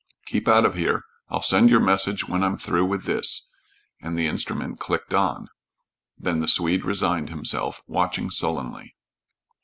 "Keep out of here. I'll send your message when I'm through with this," and the instrument clicked on. Then the Swede resigned himself, watching sullenly.